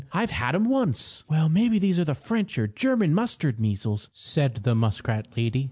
I've had 'em once." "Well, maybe these are the French or German mustard measles," said the muskrat lady.